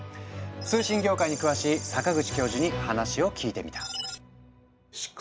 通信業界に詳しい阪口教授に話を聞いてみた。